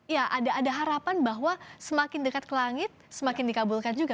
ya ada harapan bahwa semakin dekat ke langit semakin dikabulkan juga